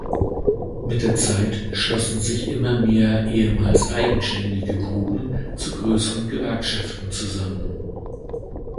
Mit der Zeit schlossen sich immer mehr ehemals eigenständige Gruben zu größeren Gewerkschaften zusammen.